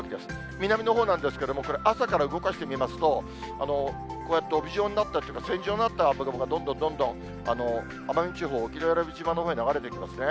南のほうなんですけれども、これ、朝から動かしてみますと、こうやって帯状になっていて、線状になった所がどんどんどんどん、奄美地方、沖永良部島のほうへ流れていきますね。